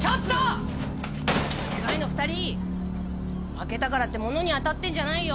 負けたからって物に当たってんじゃないよ。